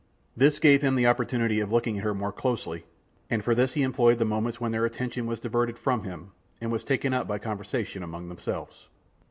This gave him the opportunity of looking at her more closely, and for this he employed the moments when their attention was diverted from him, and was taken up by conversation among themselves.